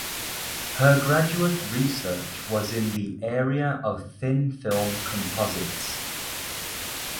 Her graduate research was in the area of thin film composites.